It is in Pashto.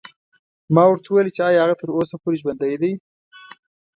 ما ورته وویل چې ایا هغه تر اوسه پورې ژوندی دی.